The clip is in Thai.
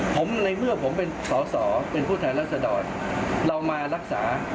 ผมในเมื่อผมเป็นสอสอเป็นผู้แทนรัศดรเรามารักษา